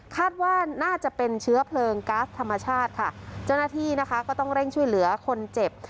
คาดว่าน่าจะเป็นเชื้อเพลิงก๊าซธรรมชาติค่ะเจ้าหน้าที่นะคะก็ต้องเร่งช่วยเหลือคนเจ็บ